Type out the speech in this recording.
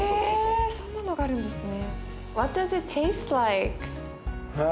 えそんなのがあるんですね。